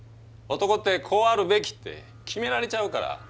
男ってこうあるべきって決められちゃうから。